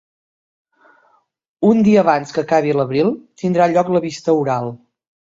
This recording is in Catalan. Un dia abans que acabi l'abril tindrà lloc la vista oral.